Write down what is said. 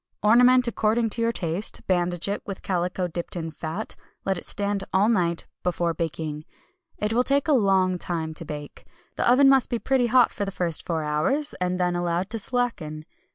Ornament according to your taste, bandage it with calico dipped in fat. Let it stand all night before baking. It will take a long time to bake. The oven must be pretty hot for the first four hours, and then allowed to slacken.